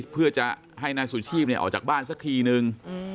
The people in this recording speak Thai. เพื่อจะให้นายสุชีพออกจากบ้านสักทีนึง